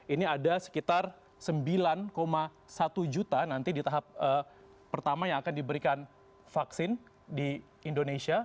ini ada sekitar sembilan satu juta nanti di tahap pertama yang akan diberikan vaksin di indonesia